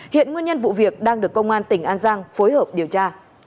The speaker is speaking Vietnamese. hiện nguyên nhân vụ việc đang được công an tỉnh an giang phối hợp điều tra